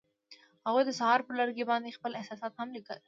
هغوی د سهار پر لرګي باندې خپل احساسات هم لیکل.